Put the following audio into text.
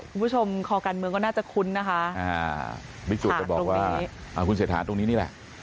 คุณผู้ชมคอการมือก็น่าจะคุ้นนะคะ